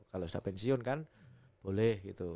kalau sudah pensiun kan boleh gitu